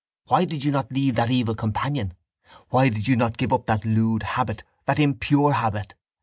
Why did you not leave that evil companion? Why did you not give up that lewd habit, that impure habit?